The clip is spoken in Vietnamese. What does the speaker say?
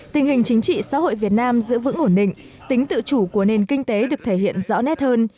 tình hình chính trị xã hội việt nam giữ vững ổn định tính tự chủ của nền kinh tế được thể hiện rõ nét hơn